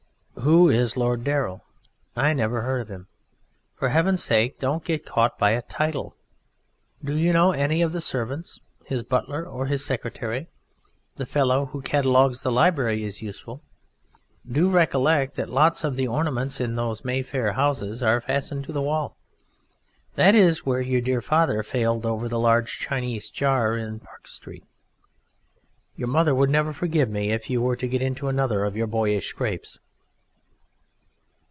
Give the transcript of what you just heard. Who is Lord Darrell? I never heard of him! For Heaven's sake don't get caught by a title. Do you know any of the servants? His butler or his secretary? The fellow who catalogues the library is useful. Do recollect that lots of the ornaments in those Mayfair houses are fastened to the wall. That is where your dear father failed over the large Chinese jar in Park Street.... Your mother would never forgive me if you were to get into another of your boyish scrapes.